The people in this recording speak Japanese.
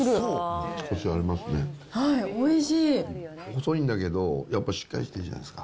細いんだけど、やっぱしっかりしてるじゃないですか。